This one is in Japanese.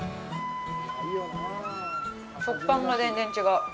食感が全然違う。